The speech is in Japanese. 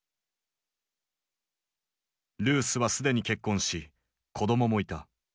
ルースは既に結婚し子供もいた。